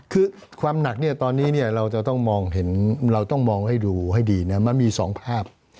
คือความหนักตอนนี้เราจะต้องมองให้ดูให้ดีนะมันมี๒ภาพ